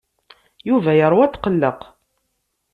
Yuba yeṛwa atqelleq.